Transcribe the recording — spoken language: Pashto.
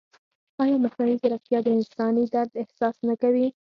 ایا مصنوعي ځیرکتیا د انساني درد احساس نه کوي؟